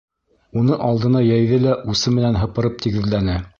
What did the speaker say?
Уны алдына йәйҙе лә усы менән һыпырып тигеҙләне.